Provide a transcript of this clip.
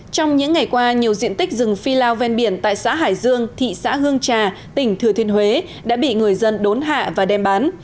trong những ngày qua nhiều diện tích rừng phi lao ven biển tại xã hải dương thị xã hương trà tỉnh thừa thiên huế đã bị người dân đốn hạ và đem bán